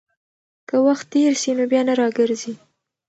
که وخت تېر سي، نو بيا نه راګرځي.